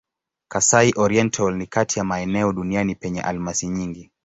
Kasai-Oriental ni kati ya maeneo duniani penye almasi nyingi.